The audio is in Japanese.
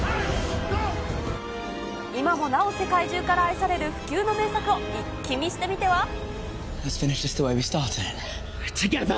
今もなお世界中から愛される不朽の名作を一気見してみては？